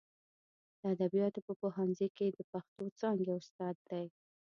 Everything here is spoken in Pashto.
د ادبیاتو په پوهنځي کې د پښتو څانګې استاد دی.